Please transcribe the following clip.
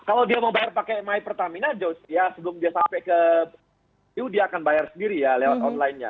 kalau dia mau bayar pakai my pertamina george ya sebelum dia sampai ke you dia akan bayar sendiri ya lewat online nya